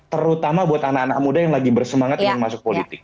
terutama buat anak anak muda yang lagi bersemangat ingin masuk politik